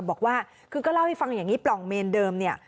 บอกว่าคือก็เล่าให้ฟังอย่างนี้ปล่องเมนเดิมเนี่ย